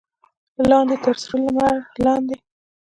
لاندې تر سره لمر لاندې.